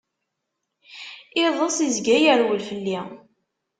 Iḍeṣ izga yerwel fell-i.